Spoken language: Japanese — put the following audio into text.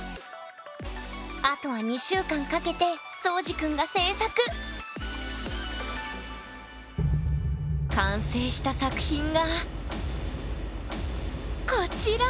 あとは２週間かけてそうじくんが制作完成した作品がこちら！